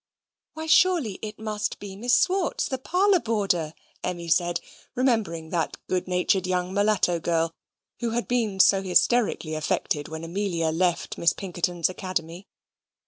"Why, surely it must be Miss Swartz, the parlour boarder," Emmy said, remembering that good natured young mulatto girl, who had been so hysterically affected when Amelia left Miss Pinkerton's academy.